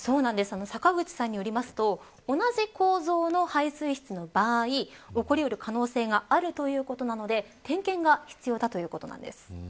坂口さんによりますと同じ構造の排水室の場合起こり得る可能性があるということなので点検が必要だということなんです。